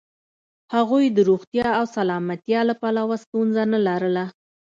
هغوی د روغتیا او سلامتیا له پلوه ستونزه نه لرله.